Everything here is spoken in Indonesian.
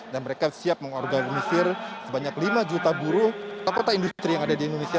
dan mereka siap mengorganisir sebanyak lima juta buru atau kota industri yang ada di indonesia